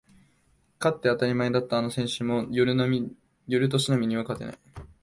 勝って当たり前だったあの選手も寄る年波には勝てない